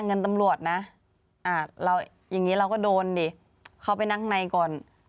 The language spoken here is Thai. เงินตำรวจนะอ่าเราอย่างนี้เราก็โดนดิเขาไปนั่งในก่อน